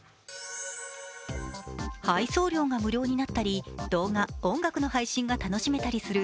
配送料が無料になったり、動画・音楽の配信が楽しめたりする